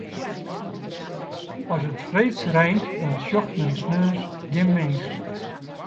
As it freeds reint, dan sjocht men sneons gjin mins.